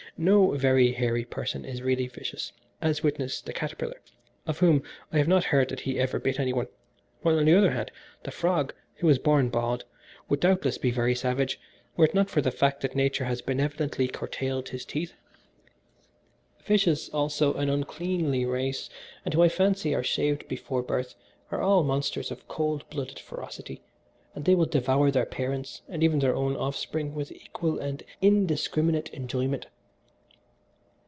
No very hairy person is really vicious, as witness the caterpillar, of whom I have not heard that he ever bit any one: while, on the other hand, the frog, who is born bald, would doubtless be very savage were it not for the fact that nature has benevolently curtailed his teeth. Fishes, also, an uncleanly race, and who I fancy are shaved before birth, are all monsters of cold blooded ferocity, and they will devour their parents and even their own offspring with equal and indiscriminate enjoyment.